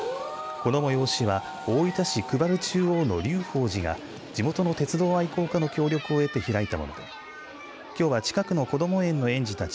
この催しは、大分市久原中央の流芳寺が、地元の鉄道愛好家の協力を得て開いたものできょうは近くのこども園の園児たち